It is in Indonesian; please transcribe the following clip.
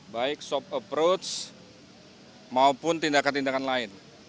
baik soft approach maupun tindakan tindakan lain